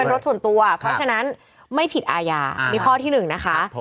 เป็นรถส่วนตัวเพราะฉะนั้นไม่ผิดอายามีข้อที่หนึ่งนะคะ